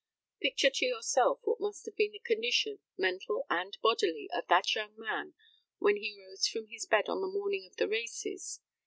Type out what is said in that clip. Picture to yourself what must have been the condition, mental and bodily, of that young man when he rose from his bed on the morning of the races.